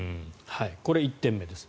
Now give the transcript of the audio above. これ、１点目です。